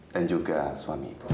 dan juga suami ibu